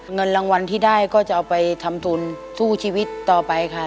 เงินรางวัลที่ได้ก็จะเอาไปทำทุนสู้ชีวิตต่อไปค่ะ